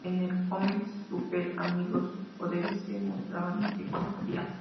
En el cómic Super Amigos sus poderes se mostraban en forma ampliada.